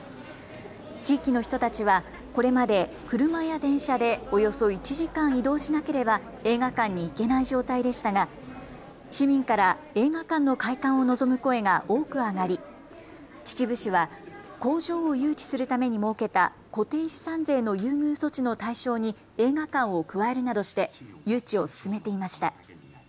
地域の人たちはこれまで車や電車でおよそ１時間移動しなければ映画館に行けない状態でしたが、市民から映画館の開館を望む声が多く上がり秩父市は工場を誘致するために設けた固定資産税の優遇措置の対象に映画館を加えるなどして誘致を進めていました。